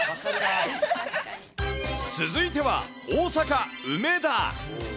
続いては、大阪・梅田。